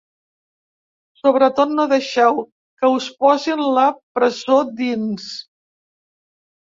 Sobretot, no deixeu que us posin la presó dins.